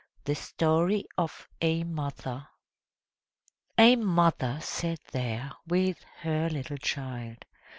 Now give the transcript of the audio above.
THE STORY OF A MOTHER A mother sat there with her little child.